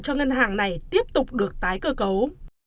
cho ngân hàng này tiếp tục được tái cơ cấu